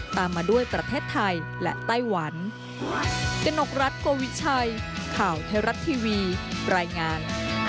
ตามมาด้วยประเทศไทยและไต้หวัน